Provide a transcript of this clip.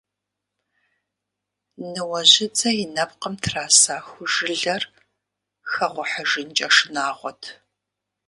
Ныуэжьыдзэ и нэпкъым траса ху жылэр хэгъухьыжынкӏэ шынагъуэт.